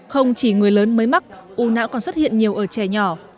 không chỉ người lớn mới mắc u não còn xuất hiện nhiều ở trẻ nhỏ